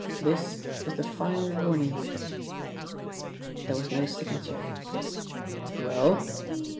This is the final warning." There was no signature. "Well?"